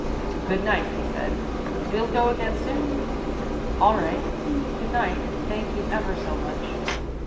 "Good night," he said. "We'll go again soon." "All right. Good night, and thank you ever so much."